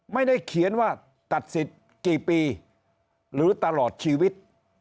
ไม่ได้เขียนว่าตัดสิทธิ์กี่ปีหรือตลอดชีวิต